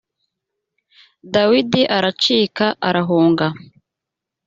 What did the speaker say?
dawidi aracika arahunga